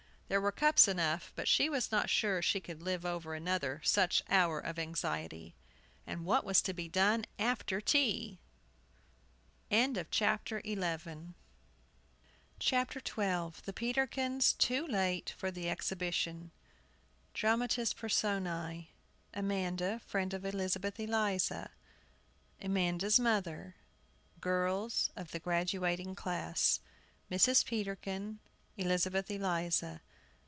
There were cups enough, but she was not sure she could live over another such hour of anxiety; and what was to be done after tea? THE PETERKINS TOO LATE FOR THE EXHIBITION. Dramatis Personæ. Amanda (friend of Elizabeth Eliza), Amanda's mother, girls of the graduating class, Mrs. Peterkin, Elizabeth Eliza.